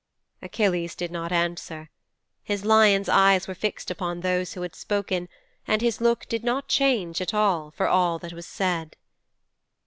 "' 'Achilles did not answer. His lion's eyes were fixed upon those who had spoken and his look did not change at all for all that was said.'